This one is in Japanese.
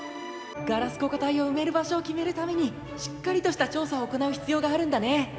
ガラス固化体を埋める場所を決めるためにしっかりとした調査を行う必要があるんだね。